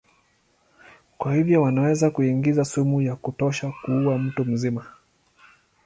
Kwa hivyo wanaweza kuingiza sumu ya kutosha kuua mtu mzima.